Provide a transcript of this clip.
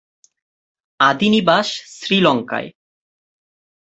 আদি নিবাস শ্রীলংকায়।